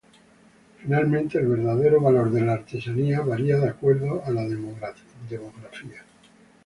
Finalmente el verdadero valor de la artesanía varía de acuerdo a la demografía.